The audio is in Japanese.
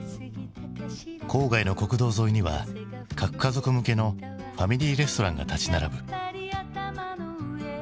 郊外の国道沿いには核家族向けのファミリーレストランが立ち並ぶ。